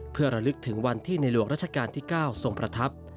เพื่อระลึกถึงวันที่ในหลวงราชการที่๙ทรงประทับ